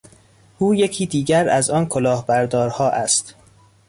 او یکی دیگر از آن کلاهبردارها است.